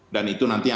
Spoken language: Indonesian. dan itu nanti akan